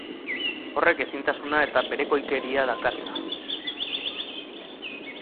Horrek ezintasuna eta berekoikeria dakartza.